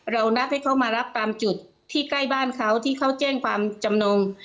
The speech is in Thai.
นับให้เขามารับตามจุดที่ใกล้บ้านเขาที่เขาแจ้งความจำนง